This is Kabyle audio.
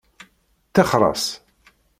Ṭixer-as.